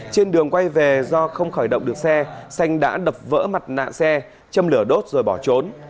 trên đường quay về do không khởi động được xe xanh đã đập vỡ mặt nạ xe châm lửa đốt rồi bỏ trốn